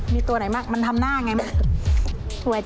มีตัวไหนมัวมันทำหน้างัย